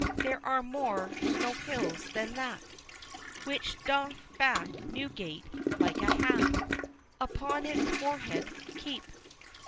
there are more Snow Hills than that Which doth black Newgate, like a hat, Upon its forehead, keep.